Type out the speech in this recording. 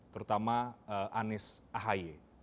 terutama anies ahaye